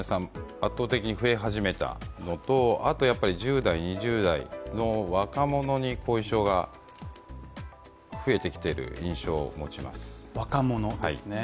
圧倒的に増え始めたのとあと、１０代２０代の若者に後遺症が増えてきている印象を持ちます。